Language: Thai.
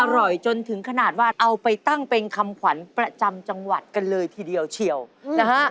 จนถึงขนาดว่าเอาไปตั้งเป็นคำขวัญประจำจังหวัดกันเลยทีเดียวเชียวนะฮะ